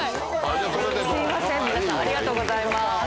ありがとうございます。